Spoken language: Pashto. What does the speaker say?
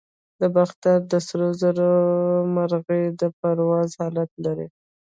د باختر د سرو زرو مرغۍ د پرواز حالت لري